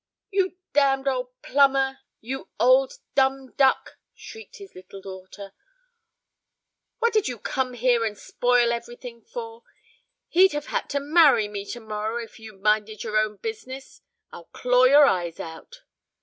"You damned old plumber, you old dumb duck!" shrieked his little daughter. "What did you come here and spoil everything for? He'd have had to marry me tomorrow if you'd minded your own business. I'll claw your eyes out."